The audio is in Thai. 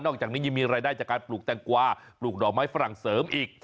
จากนี้ยังมีรายได้จากการปลูกแตงกวาปลูกดอกไม้ฝรั่งเสริมอีก